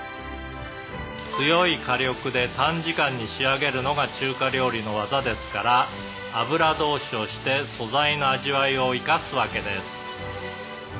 「強い火力で短時間に仕上げるのが中華料理の技ですから油通しをして素材の味わいを生かすわけです」